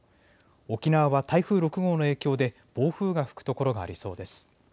沖縄は台風６号の影響で暴風が吹く所がありそうです。